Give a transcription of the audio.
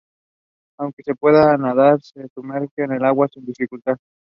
Communities often adopt things that are for the betterment of the entire community.